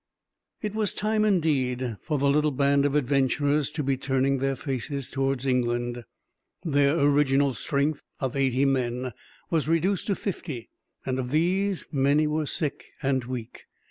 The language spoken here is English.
It was time, indeed, for the little band of adventurers to be turning their faces towards England. Their original strength, of eighty men, was reduced to fifty; and of these, many were sick and weak.